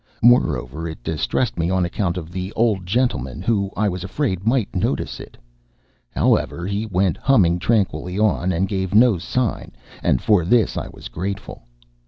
Moreover, it distressed me on account of the old expressman, who, I was afraid, might notice it. However, he went humming tranquilly on, and gave no sign; and for this I was grateful.